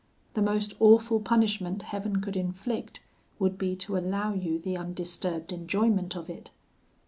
The most awful punishment Heaven could inflict would be to allow you the undisturbed enjoyment of it.